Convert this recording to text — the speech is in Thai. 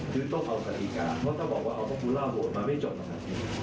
คือต้องเอากฎิกาเพราะต้องบอกว่าเอาปอปพูลาร์โหวตมาไม่จบนะครับ